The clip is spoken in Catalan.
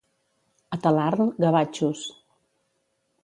A Talarn, gavatxos.